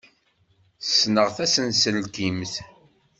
Ssneɣ tasenselkimt.